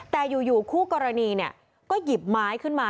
แต่อยู่คู่กรณีก็หยิบไม้ขึ้นมา